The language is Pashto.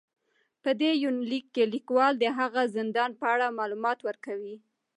په دې يونليک کې ليکوال د هغه زندان په اړه معلومات ور کړي